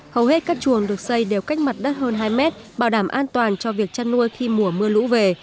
hầu hết các chuồng được xây đều cách mặt đất hơn hai mét bảo đảm an toàn cho việc chăn nuôi khi mùa mưa lũ về